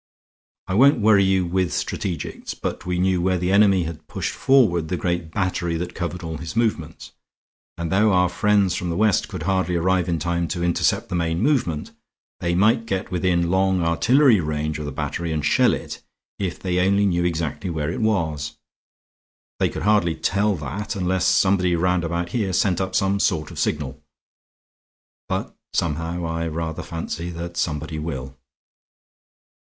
I won't worry you with strategics; but we knew where the enemy had pushed forward the great battery that covered all his movements; and though our friends from the West could hardly arrive in time to intercept the main movement, they might get within long artillery range of the battery and shell it, if they only knew exactly where it was. They could hardly tell that unless somebody round about here sent up some sort of signal. But, somehow, I rather fancy that somebody will."